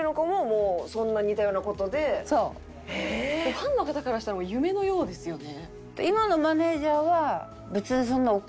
ファンの方からしたら夢のようですよね。